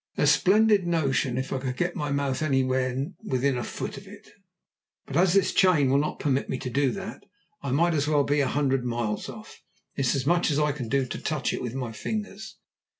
"A splendid notion if I could get my mouth anywhere within a foot of it, but as this chain will not permit me to do that, it might as well be a hundred miles off. It's as much as I can do to touch it with my fingers."